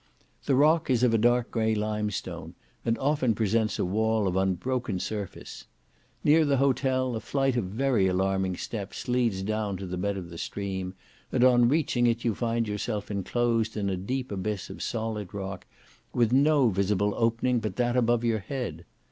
The rock is of a dark grey limestone, and often presents a wall of unbroken surface. Near the hotel a flight of very alarming steps leads down to the bed of the stream, and on reaching it you find yourself enclosed in a deep abyss of solid rock, with no visible opening but that above your head.